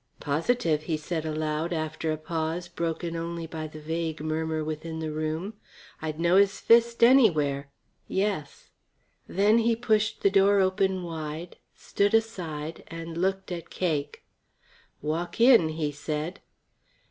"Positive," he said, aloud, after a pause broken only by the vague murmur within the room. "I'd know his fist anywhere. Yes." Then he pushed the door open wide, stood aside, and looked at Cake. "Walk in," he said.